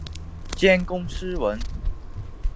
兼工诗文。